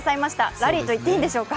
ラリーと言っていいんでしょうか。